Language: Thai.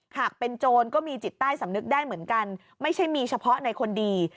หากเป็นโจรก็มีจิตใต้สำนึกได้เหมือนกันไม่ใช่มีเฉพาะในคนดี